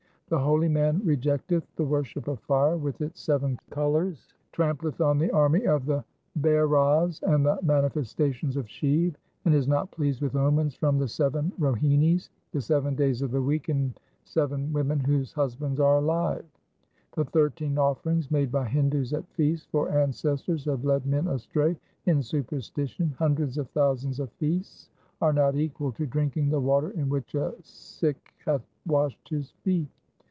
1 The holy man rejecteth the worship of fire with its seven colours, trampleth on the army of the Bhairavs and the manifestations of Shiv, and is not pleased with omens from the seven Rohinis, 2 the seven days of the week, and seven women whose husbands are alive. 3 The thirteen offerings 4 made by Hindus at feasts for an cestors have led men astray in superstition. Hundreds of thousands of feasts are not equal to drinking the water in which a Sikh hath washed his feet.